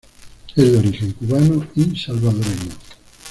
Es de origen cubano y salvadoreño.